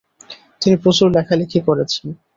তিনি প্রচুর লেখালেখি করেছেন।